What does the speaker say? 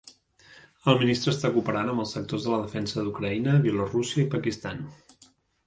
El ministre està cooperant amb els sectors de la defensa d'Ucraïna, Bielorússia i Pakistan.